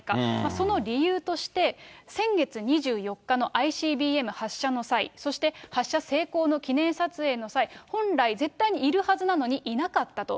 その理由として、先月２４日のＩＣＢＭ発射の際、そして発射成功の記念撮影の際、本来、絶対にいるはずなのに、いなかったと。